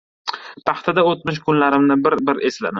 Paxtada o‘tmish kunlarimni bir-bir esladim.